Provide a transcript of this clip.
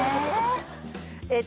え？